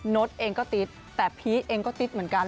ดเองก็ติ๊ดแต่พีชเองก็ติ๊ดเหมือนกัน